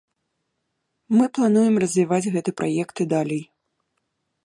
Мы плануем развіваць гэты праект і далей.